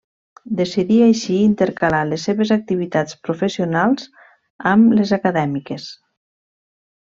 Decidí així intercalar les seves activitats professionals amb les acadèmiques.